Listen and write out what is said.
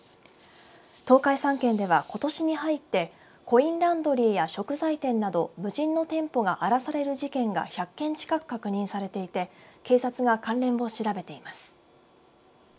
東海３県では、ことしに入ってコインランドリーや食材店など無人の店舗が荒らされる事件が１００件近く確認されていて警察が関連を調べています。